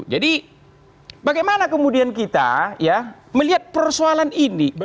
jadi bagaimana kemudian kita melihat persoalan ini